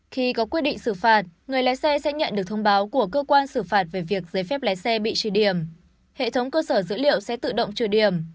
khi có quy định xử phạt người lái xe sẽ nhận được thông báo của cơ quan xử phạt về việc giấy phép lái xe bị trừ điểm